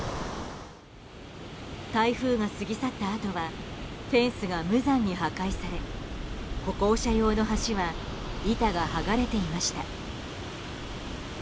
台風が過ぎ去ったあとはフェンスが無残に破壊され歩行者用の橋は板が剥がれていました。